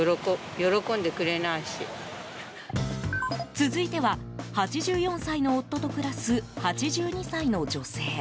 続いては、８４歳の夫と暮らす８２歳の女性。